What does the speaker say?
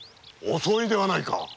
・遅いではないか。